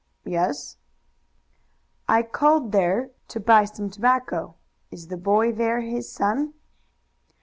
"Yes." "I called there to buy some tobacco. Is the boy there his son?"